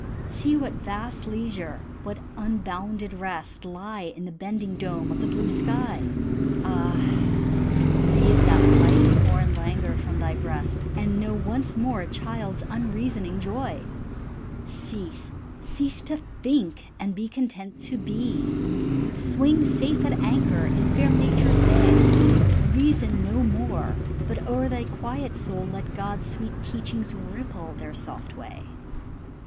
See what vast leisure, what unbounded rest, Lie in the bending dome of the blue sky: Ah! breathe that life born languor from thy breast, And know once more a child's unreasoning joy. Cease, cease to think, and be content to be; Swing safe at anchor in fair Nature's bay; Reason no more, but o'er thy quiet soul Let God's sweet teachings ripple their soft way.